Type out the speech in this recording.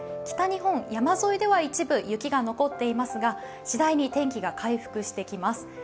北日本、山沿いでは一部雪が残っていますが、しだいに天気が回復してきます。